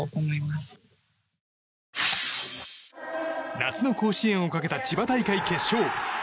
夏の甲子園をかけた千葉大会決勝。